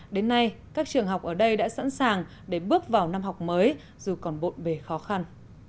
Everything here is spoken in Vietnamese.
đến nay các trường học ở đây đã sẵn sàng để bước vào năm học mới dù còn bộn bề khó khăn